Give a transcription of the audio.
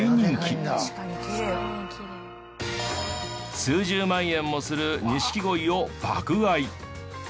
数十万円もする錦鯉を爆買い！